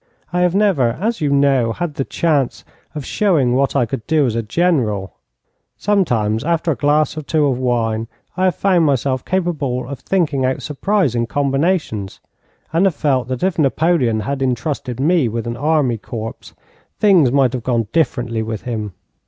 I have never, as you know, had the chance of showing what I could do as a general. Sometimes, after a glass or two of wine, I have found myself capable of thinking out surprising combinations, and have felt that if Napoleon had intrusted me with an army corps, things might have gone differently with him.